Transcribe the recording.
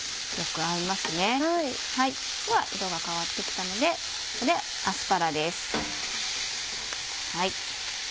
では色が変わってきたのでここでアスパラです。